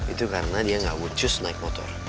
itu karena dia ga muncul naik motor